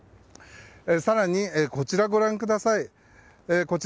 更に、こちらをご覧ください。